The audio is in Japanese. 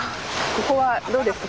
ここはどうですか？